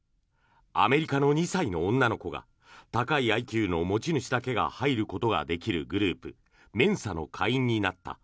アメリカの２歳の女の子が高いＩＱの持ち主だけが入ることができるグループメンサの会員になった。